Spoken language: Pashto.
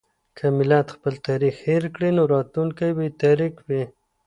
که ملت خپل تاريخ هېر کړي نو راتلونکی به يې تاريک وي.